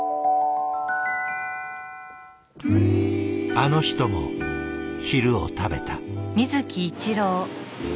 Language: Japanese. あの人も昼を食べた。